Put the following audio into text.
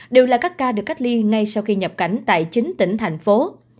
đều là các ca được cách ly ngay sau khi nhập cảnh tại chín tỉnh thành phố